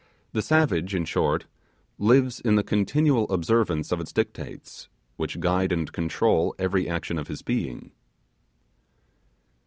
The savage, in short, lives in the continual observance of its dictates, which guide and control every action of his being.